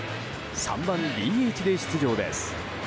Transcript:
３番ＤＨで出場です。